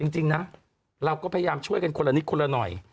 จริงนะเราก็พยายามช่วยกันคนละนิดคนละหน่อย